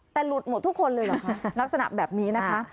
แต่หลุดหมดทุกคนเลยเหรอคะลักษณะแบบนี้นะคะ